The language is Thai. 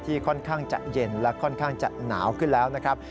ค่อนข้างจะเย็นและค่อนข้างจะหนาวขึ้นแล้วนะครับ